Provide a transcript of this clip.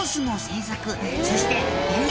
「そして」